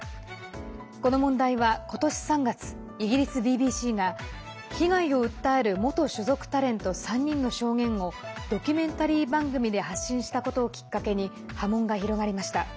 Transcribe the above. この問題は、今年３月イギリスＢＢＣが被害を訴える元所属タレント３人の証言をドキュメンタリー番組で発信したことをきっかけに波紋が広がりました。